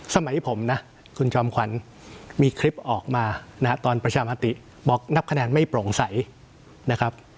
สมัยผมนะคุณจอมขวัญมีคลิปออกมานะฮะตอนประชามาติบอกนับคะแนนไม่โปร่งใสนะครับ